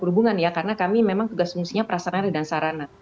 dan perhubungan ya karena kami memang tugas fungsinya prasarana dan sarana